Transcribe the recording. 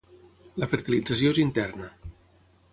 La fertilització és interna.